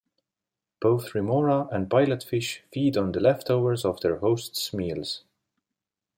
Both remora and pilot fish feed on the leftovers of their hosts' meals.